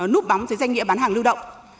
núp bóng dưới danh nghĩa bán hàng lưu động